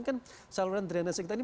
kan saluran drenase kita ini